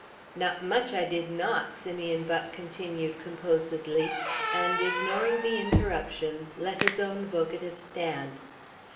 "Not much I did not," Simeon Buck continued composedly, and, ignoring the interruptions, let his own vocative stand.